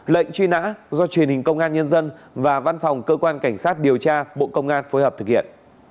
lệnh truy nã do truyền hình công an nhân dân và văn phòng cơ quan cảnh sát điều tra bộ công an phối hợp thực hiện